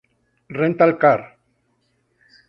Rental Car.